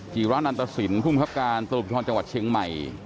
กี่ร้านอันตรศิลป์ภูมิภัพการตรวจพิธรรมจังหวัดเชียงใหม่